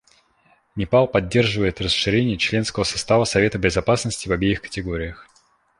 Непал поддерживает расширение членского состава Совета Безопасности в обеих категориях.